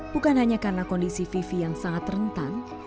bukan hanya karena kondisi vivi yang sangat rentan